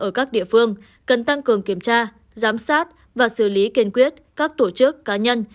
ở các địa phương cần tăng cường kiểm tra giám sát và xử lý kiên quyết các tổ chức cá nhân